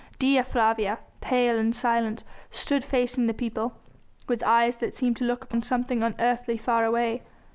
Dea Flavia, pale and silent, stood facing the people, with eyes that seemed to look on something unearthly far away.